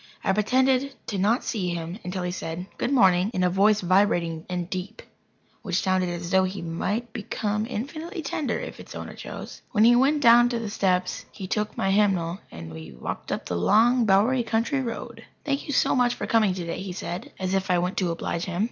I pretended not to see him until he said "Good morning," in a voice vibrating and deep, which sounded as though it might become infinitely tender if its owner chose. When we went down the steps he took my hymnal, and we walked up the long, bowery country road. "Thank you so much for coming today," he said as if I went to oblige him.